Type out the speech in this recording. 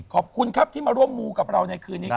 ขอบคุณครับที่มาร่วมมูกับเราในคืนนี้ครับ